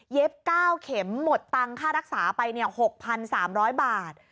๙เข็มหมดตังค่ารักษาไป๖๓๐๐บาท